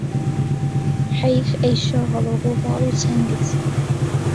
حەیف ئەی شاهەڵۆ بۆ باڵ و چەنگت